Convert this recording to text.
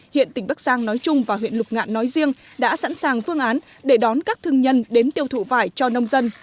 hiện tỉnh bắc giang nói chung và huyện lục ngạn nói riêng đã sẵn sàng phương án để đón các thương nhân đến tiêu thụ vải cho nông dân